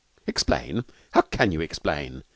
'Explain! How can you explain?